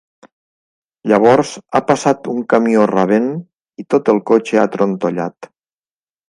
Llavors ha passat un camió rabent i tot el cotxe ha trontollat.